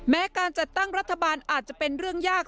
แม้การจัดตั้งรัฐบาลอาจจะเป็นเรื่องยาก